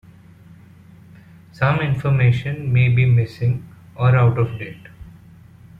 Some information may be missing, or out of date.